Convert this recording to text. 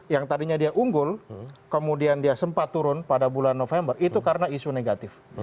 yang tadinya dia unggul kemudian dia sempat turun pada bulan november itu karena isu negatif